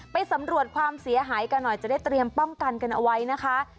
ไปสำรวจความเสียหายกันหน่อยจะได้เตรียมป้องกันกันเอาไว้นะคะ